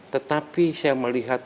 tetapi saya melihat